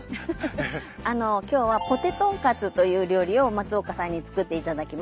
あの今日はポテトンかつという料理を松岡さんに作っていただきます。